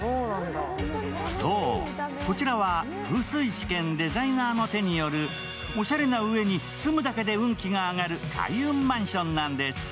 そう、こちらは風水師兼デザイナーの手による、住むだけで運気が上がる開運マンションなんです。